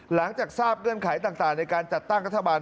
หลังจากทราบเงื่อนไขต่างในการจัดตั้งรัฐบาล